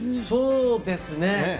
そうですね。